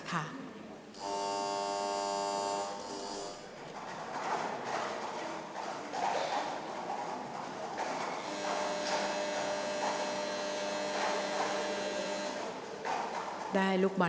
ออกรางวัลเลขหน้า๓